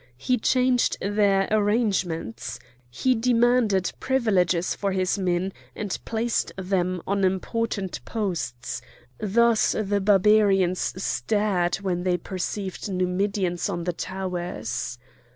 He changed their arrangements. He demanded privileges for his men, and placed them on important posts; thus the Barbarians stared when they perceived Numidians on the towers.